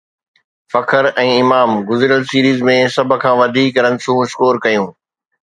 فخر ۽ امام گڏيل سيريز ۾ سڀ کان وڌيڪ رنسون اسڪور ڪيون